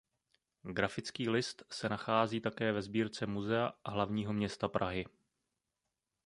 Grafický list se nachází také ve sbírce Muzea hlavního města Prahy.